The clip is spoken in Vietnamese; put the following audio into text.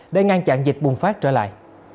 để ngăn chặn dịch bùng phát trở lại